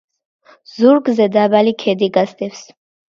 ზურგზე დაბალი ქედი გასდევს.